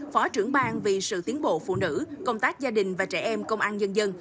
phó trưởng bang vì sự tiến bộ phụ nữ công tác gia đình và trẻ em công an nhân dân